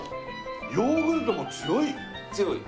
ヨーグルトも強い。